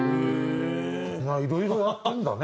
いろいろあるんだね。